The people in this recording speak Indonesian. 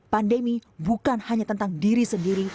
pandemi bukan hanya tentang diri sendiri